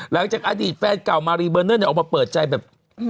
หลังจากอดีตแฟนเก่ามารีเบอร์เนอร์ออกมาเปิดใจแบบ